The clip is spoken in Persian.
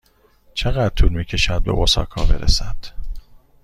چقدر طول می کشد به اوساکا برسد؟